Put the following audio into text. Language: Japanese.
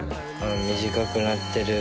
短くなってる。